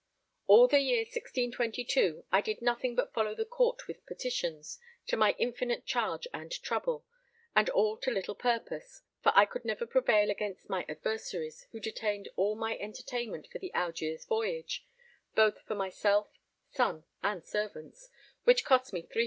All the year 1622 I did nothing but follow the Court with petitions, to my infinite charge and trouble, and all to little purpose, for I could never prevail against my adversaries, who detained all my entertainment for the Algiers voyage, both for myself, son, and servants; which cost me 300_l.